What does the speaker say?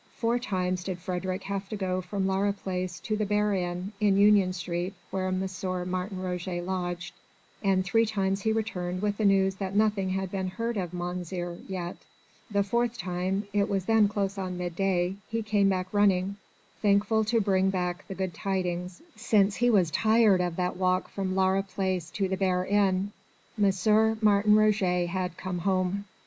Four times did Frédérick have to go from Laura Place to the Bear Inn in Union Street, where M. Martin Roget lodged, and three times he returned with the news that nothing had been heard of Mounzeer yet. The fourth time it was then close on midday he came back running thankful to bring back the good tidings, since he was tired of that walk from Laura Place to the Bear Inn. M. Martin Roget had come home.